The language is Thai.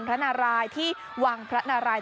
พระนารายที่วังพระนาราย